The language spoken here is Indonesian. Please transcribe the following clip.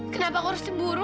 kenapa aku harus timbulin